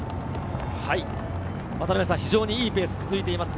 非常にいいペースが続いてます。